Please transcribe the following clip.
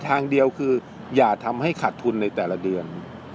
ทางเดียวคืออย่าทำให้ขาดทุนในแต่ละเดือน